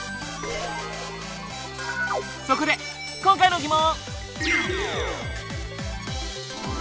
そこで今回の疑問！